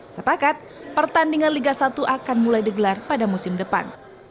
sepakat pertandingan liga satu akan mulai digelar pada musim depan